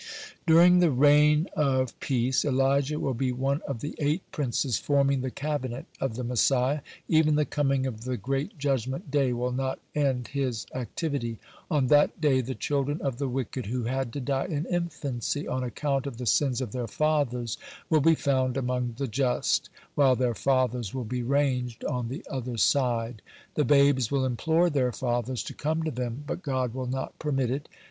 (116) During the reign of peace, Elijah will be one of the eight princes forming the cabinet of the Messiah. (117) Even the coming of the great judgment day will not end his activity. On that day the children of the wicked who had to die in infancy on account of the sins of their fathers will be found among the just, while their fathers will be ranged on the other side. The babes will implore their fathers to come to them, but God will not permit it.